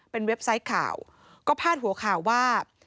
เป็นเว็บไซต์ข่าวก็พาดหัวข่าวว่า